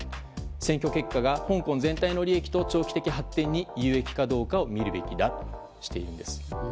選挙結果が香港全体の利益と長期的発展に有益かどうかを見るべきだとしているんです。